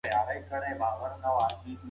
د حضرت عمر بن خطاب په زمانې کي عدل و.